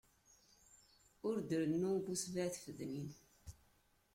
Ur d-rennu bu sebɛa tfednin.